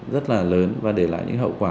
rất là lớn và để lại những hậu quả